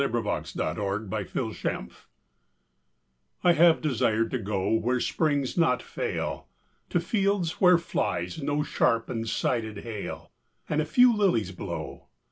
HOPWOOD I HAVE DESIRED TO GO I HAVE desired to go Where springs not fail, To fields where flies no sharp and sided hail, And a few lilies blow.